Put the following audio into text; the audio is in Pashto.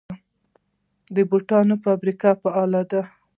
د بوټانو فابریکې فعالې دي؟